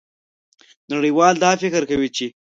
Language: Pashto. نړیوال دا فکر کوي چې